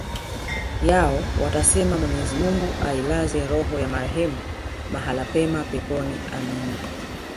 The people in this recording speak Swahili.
yao watasema mwenyezi mungu ailaze roho ya marehemu mahali pema peponi amina